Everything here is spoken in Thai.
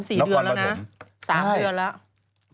๓๔เดือนแล้วนะ๓เดือนแล้ว